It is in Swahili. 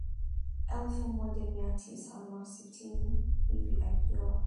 Elfu moja mia tisa na sitini hivi akiwa